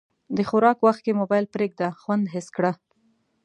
د خوراک وخت کې موبایل پرېږده، خوند حس کړه.